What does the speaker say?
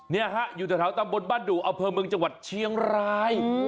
เนี่ยะฮะอยู่ทางเถาตำบลบ้านดูเอาเพลิงเมืองจังหวัดเชียงราย